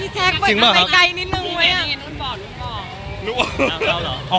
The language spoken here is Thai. แจ้กไปไกลนิดหนึ่ง